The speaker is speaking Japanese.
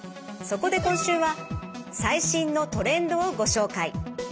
そこで今週は最新のトレンドをご紹介。